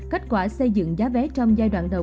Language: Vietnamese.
kết quả xây dựng giá vé trong giai đoạn đầu